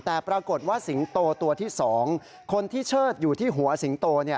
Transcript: แต่ปรากฏว่าสิงโตตัวที่๒คนที่เชิดอยู่ที่หัวสิงโต